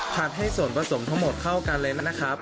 ให้ส่วนผสมทั้งหมดเข้ากันเลยนะครับ